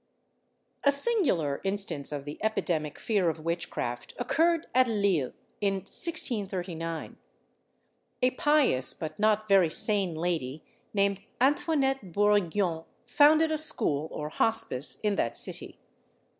A singular instance of the epidemic fear of witchcraft occurred at Lille, in 1639. A pious but not very sane lady, named Antoinette Bourignon, founded a school, or hospice, in that city.